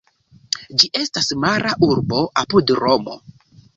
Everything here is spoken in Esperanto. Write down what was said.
Ĝi estas mara urbo apud Romo.